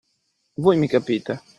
Voi mi capite